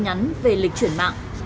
nhắn về lịch chuyển mạng